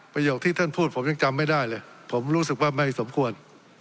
ประโยคที่ท่านพูดผมยังจำไม่ได้เลยผมรู้สึกว่าไม่สมควร